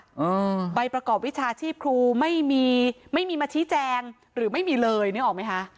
อืมใบประกอบวิชาชีพครูไม่มีไม่มีมาชี้แจงหรือไม่มีเลยนึกออกไหมคะ